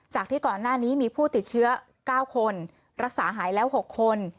ที่ก่อนหน้านี้มีผู้ติดเชื้อ๙คนรักษาหายแล้ว๖คน